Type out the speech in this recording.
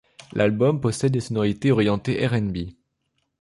L'album possède des sonorités orientées R'n'B.